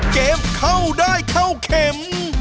เกมเข้าได้เข้าเข็ม